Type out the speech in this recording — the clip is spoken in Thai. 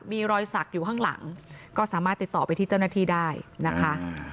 มีรอยสักอยู่ข้างหลังก็สามารถติดต่อไปที่เจ้าหน้าที่ได้นะคะ